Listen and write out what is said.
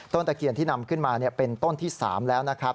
ตะเคียนที่นำขึ้นมาเป็นต้นที่๓แล้วนะครับ